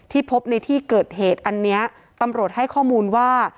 พบในที่เกิดเหตุอันนี้ตำรวจให้ข้อมูลว่า